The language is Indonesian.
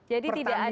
jadi tidak ada soal